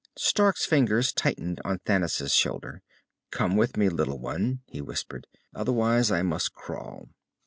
Stark's fingers tightened on Thanis' shoulder. "Come with me, little one," he whispered. "Otherwise, I must crawl."